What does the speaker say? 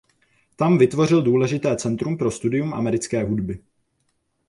Tam vytvořil důležité centrum pro studium americké hudby.